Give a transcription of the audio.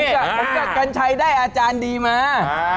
ผมกับกัญชัยได้อาจารย์ดีมา